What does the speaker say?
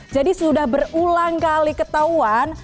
jadi sudah berulang kali ketahuan